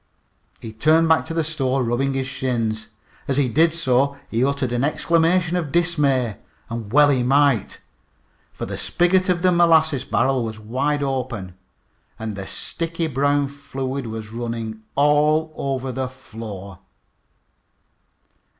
He turned back into the store, rubbing his shins. As he did so he uttered an exclamation of dismay. And well he might, for the spigot of the molasses barrel was wide open, and the sticky brown fluid was running all over the floor.